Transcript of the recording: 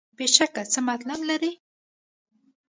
بېشکه څه مطلب لري.